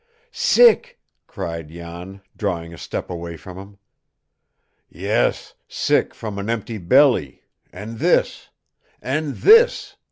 "Sick!" cried Jan, drawing a step away from him. "Yes, sick from an empty belly, and this, and this!"